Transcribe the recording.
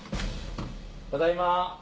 ただいま。